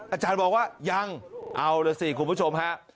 อาจารย์บอกว่ายังเอาล่ะสิคุณผู้ชมฮะ